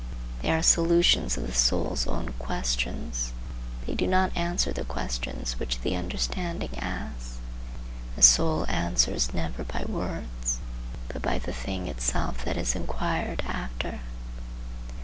They are solutions of the soul's own questions. They do not answer the questions which the understanding asks. The soul answers never by words, but by the thing itself that is inquired after.